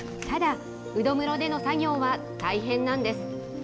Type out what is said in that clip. ただ、うど室での作業は大変なんです。